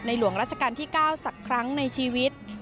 หลวงราชการที่๙สักครั้งในชีวิต